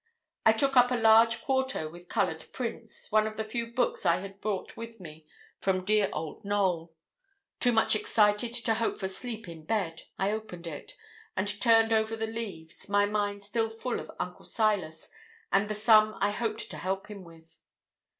I took up a large quarto with coloured prints, one of the few books I had brought with me from dear old Knowl. Too much excited to hope for sleep in bed, I opened it, and turned over the leaves, my mind still full of Uncle Silas and the sum I hoped to help him with.